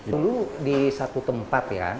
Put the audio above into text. dulu di satu tempat ya